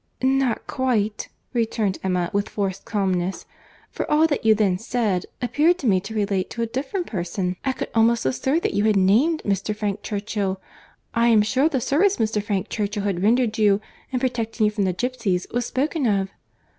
"Not quite," returned Emma, with forced calmness, "for all that you then said, appeared to me to relate to a different person. I could almost assert that you had named Mr. Frank Churchill. I am sure the service Mr. Frank Churchill had rendered you, in protecting you from the gipsies, was spoken of."